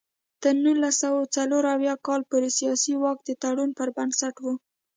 تر نولس سوه څلور اویا کال پورې سیاسي واک د تړون پر بنسټ و.